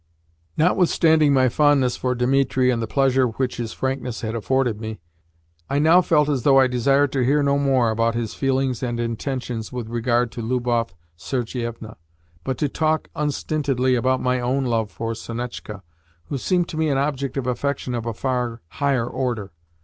Notwithstanding my fondness for Dimitri and the pleasure which his frankness had afforded me, I now felt as though I desired to hear no more about his feelings and intentions with regard to Lubov Sergievna, but to talk unstintedly about my own love for Sonetchka, who seemed to me an object of affection of a far higher order.